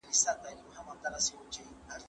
ته ولي درسونه لوستل کوې!.